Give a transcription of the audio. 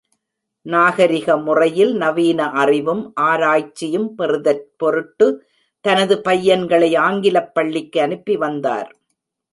நாகரிக முறையில் நவீன அறிவும், ஆராய்ச்சியும் பெறுதற் பொருட்டு தனது பையன்களை ஆங்கிலப் பள்ளிக்கு அனுப்பி வந்தார்.